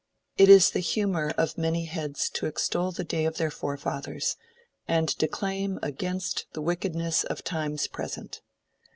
It is the humor of many heads to extol the days of their forefathers, and declaim against the wickedness of times present.